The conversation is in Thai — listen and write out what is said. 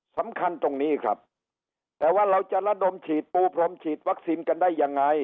สำคัญตรงนี้ครับแต่ว่าเราจะระดมฉีดปูพรมฉีดวัคซีนกันได้ยังไง